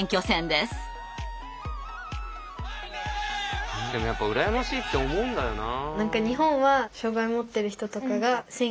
でもやっぱ羨ましいって思うんだよな。